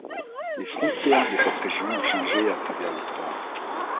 Les frontières de cette région ont changé à travers l'histoire.